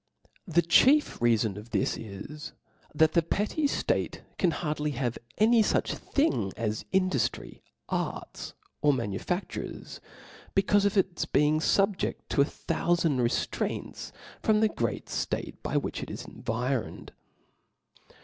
The chief rfcaibn of thi^ is^ that the petty ftate can hardly have any fuch thing as ih duftry, arts, or manuiadures, becaufe of its be ing fubjedl to a thoiifand reftraints from the great ftate by which it is environed.